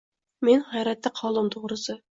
Men hayratda qoldim, to‘g‘risi.